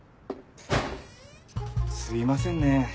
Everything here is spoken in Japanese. すいませんね